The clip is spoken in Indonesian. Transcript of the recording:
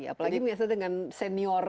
apalagi dengan senior